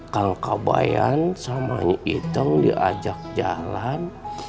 kang kabayan sama itung diajak jalan